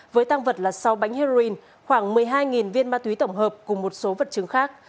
với tăng vật là sáu bánh heroin khoảng một mươi hai viên ma túy tổng hợp cùng một số vật chứng khác